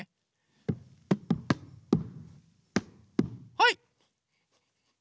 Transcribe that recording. はい。